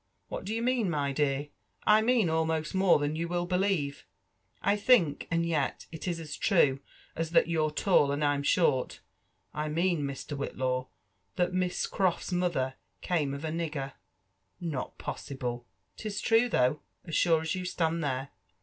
What d'ye mean, my dear?" I mean almost more than you will believe, I think ; and yet, it is as true as that you're (all and I'm short. I mean, Mr. Whitlaw, that Miss Croft's mother came of a nigger." *• Not possible!" *Tis true though, as sure as you stand there.